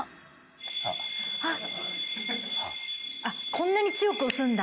こんなに強く押すんだ。